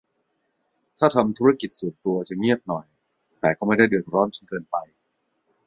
ถ้าทำธุรกิจส่วนตัวจะเงียบหน่อย แต่ก็ไม่ได้เดือดร้อนจนเกินไป